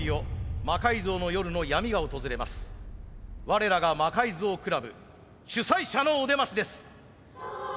我らが魔改造クラブ主催者のお出ましです。